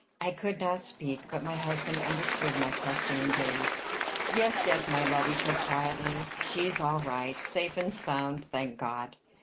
I could not speak, but my husband understood my questioning gaze. "Yes, yes, my love," he said quietly: "she's all right safe and sound, thank God!"